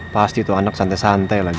pasti tuh anak santai santai lagi